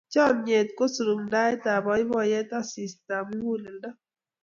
Chomnyet ko surumbetab boiboiyet, asistab muguleldo.